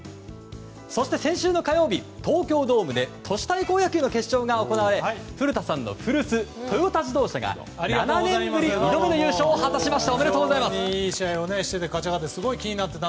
そして先週火曜日、東京ドームで都市対抗野球決勝が行われ古田さんの古巣トヨタ自動車が７年ぶり２度目の優勝を果たしました。